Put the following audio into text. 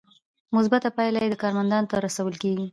مثبته پایله یې کارمندانو ته رسول کیږي.